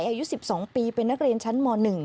อายุ๑๒ปีเป็นนักเรียนชั้นม๑